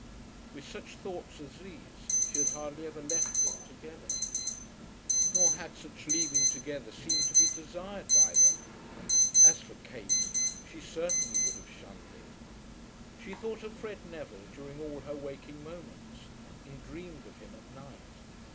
With such thoughts as these she had hardly ever left them together. Nor had such leaving together seemed to be desired by them. As for Kate she certainly would have shunned it. She thought of Fred Neville during all her waking moments, and dreamed of him at night.